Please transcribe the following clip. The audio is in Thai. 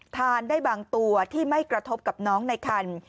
ทานได้บางตัวที่ไม่กระทบกับน้องในคัน